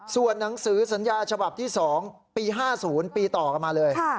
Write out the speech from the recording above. ส่วนหนังสือสัญญาฉบับที่๒ปี๕๐ปีต่อกันมาเลย